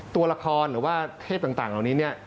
ตัวละครหรือว่าเทพต่างเหล่านี้เนี่ย